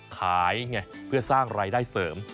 ขายไงเพื่อสร้างรายได้เสริม